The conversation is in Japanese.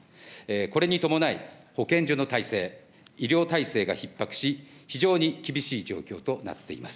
これに伴い、保健所の体制、医療体制がひっ迫し、非常に厳しい状況となっています。